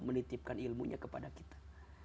mengitipkan ilmunya kepada kita